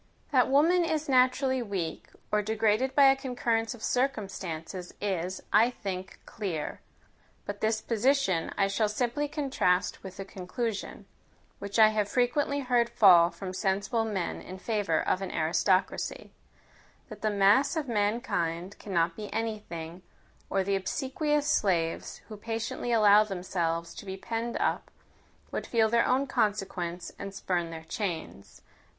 That woman is naturally weak, or degraded by a concurrence of circumstances is, I think, clear. But this position I shall simply contrast with a conclusion, which I have frequently heard fall from sensible men in favour of an aristocracy: that the mass of mankind cannot be any thing, or the obsequious slaves, who patiently allow themselves to be penned up, would feel their own consequence, and spurn their chains.